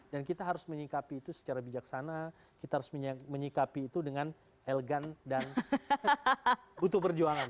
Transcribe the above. dan kita harus menyikapi itu secara bijaksana kita harus menyikapi itu dengan elegan dan butuh berjuangan